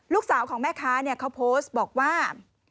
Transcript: ลูกสาวของแม่ค้าเขาโพสต์บอกว่า